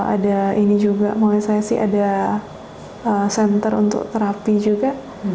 ada ini juga menurut saya sih ada center untuk terapi juga